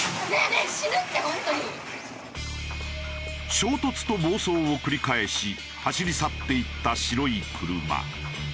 衝突と暴走を繰り返し走り去っていった白い車。